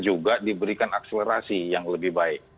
juga diberikan akselerasi yang lebih baik